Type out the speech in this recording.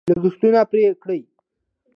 لګښتونه پرې کړي.